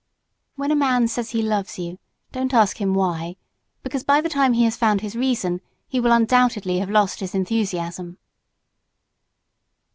When a man says he loves you don't ask him "Why," because by the time he has found his reason he will undoubtedly have lost his enthusiasm.